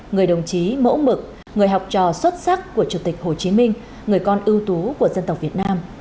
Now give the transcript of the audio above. người đồng chí mẫu mực người học trò xuất sắc của chủ tịch hồ chí minh người con ưu tú của dân tộc việt nam